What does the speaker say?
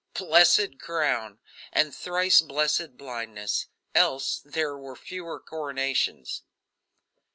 Blessed crown! and thrice blessed blindness else there were fewer coronations.